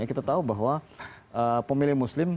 kita tahu bahwa pemilih muslim